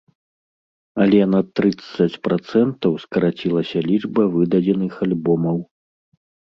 Але на трыццаць працэнтаў скарацілася лічба выдадзеных альбомаў.